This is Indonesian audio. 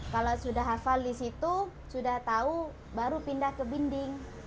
kalau sudah hafal di situ sudah tahu baru pindah ke dinding